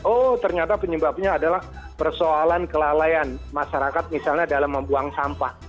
oh ternyata penyebabnya adalah persoalan kelalaian masyarakat misalnya dalam membuang sampah